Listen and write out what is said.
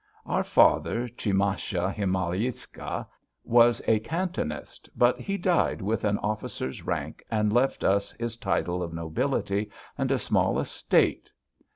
Our father, Tchimasha Himalaysky, was a cantonist, but he died with an officer's rank and left us his title of nobility and a small estate.